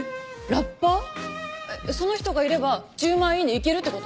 その人がいれば１０万イイネいけるってこと？